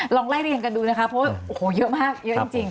ลองไล่เรียงกันดูนะคะเพราะว่าโอ้โหเยอะมากเยอะจริง